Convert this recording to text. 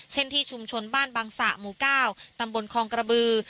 เช่นที่ชุมชนบ้านบังสะหมู่๙ตำบลคองกระบือ